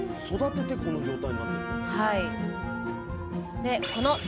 育ててこの状態になってるの？